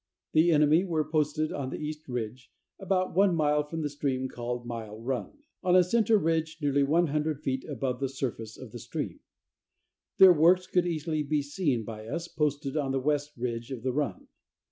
The enemy were posted on the east ridge, about one mile from the stream called Mile Run, on a centre ridge nearly 100 feet above the surface of the stream. Their works could easily be seen by us posted on the west ridge of the run.